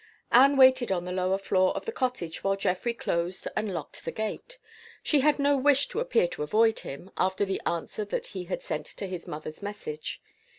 Anne waited on the lower floor of the cottage while Geoffrey closed and locked the gate. She had no wish to appear to avoid him, after the answer that he had sent to his mother's message.